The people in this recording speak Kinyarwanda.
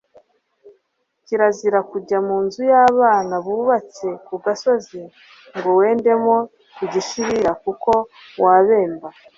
Kirazira kujya mu nzu y’abana bubatse ku gasozi ngo wendemo igishirira kuko wabemba